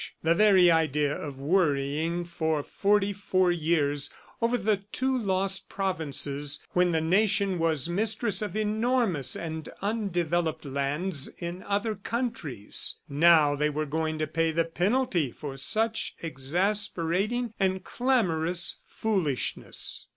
The very idea of worrying for forty four years over the two lost provinces when the nation was mistress of enormous and undeveloped lands in other countries! ... Now they were going to pay the penalty for such exasperating and clamorous foolishness.